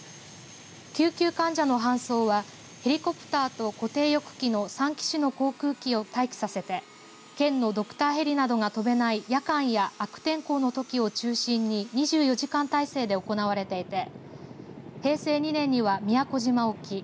救急患者の搬送はヘリコプターと固定翼機の３機種の航空機を待機させて県のドクターヘリなどが飛べない夜間や悪天候のときを中心に２４時間体制で行われていて平成２年には、宮古島沖